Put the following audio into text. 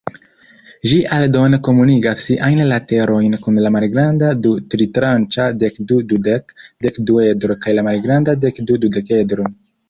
Ĝi aldone komunigas siajn laterojn kun la malgranda du-tritranĉa dekdu-dudek-dekduedro kaj la malgranda dekdu-dudekedro.